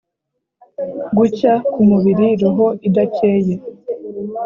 gucya ku mubiri roho idakeye